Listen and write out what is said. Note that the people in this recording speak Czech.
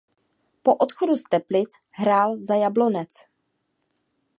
Po odchodu z Teplic hrál za Jablonec.